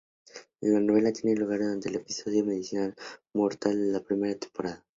La novela tiene lugar durante el episodio 'Medicina mortal' de la primera temporada.